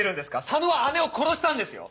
佐野は姉を殺したんですよ。